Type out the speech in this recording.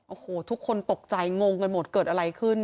โอ้โหทุกคนตกใจงงกันหมดเกิดอะไรขึ้น